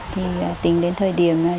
thì tính đến thời điểm này